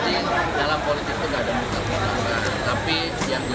tapi yang jelas kami berjuang pada kol tertinggi